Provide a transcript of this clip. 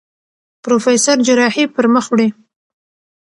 پروفېسر جراحي پر مخ وړي.